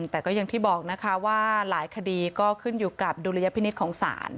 แต่ก็อย่างที่บอกนะคะว่าหลายคดีก็ขึ้นอยู่กับดุลยพินิษฐ์ของศาล